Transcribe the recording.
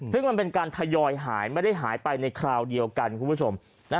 ซึ่งมันเป็นการทยอยหายไม่ได้หายไปในคราวเดียวกันคุณผู้ชม